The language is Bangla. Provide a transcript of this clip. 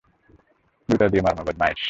জুতা দিয়ে মারমু, বদমাইশ!